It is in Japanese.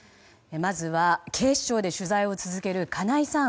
まずは、警視庁で取材を続ける金井さん。